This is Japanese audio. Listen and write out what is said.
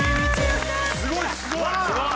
すごいすごい！